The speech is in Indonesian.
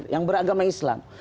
yang beragama islam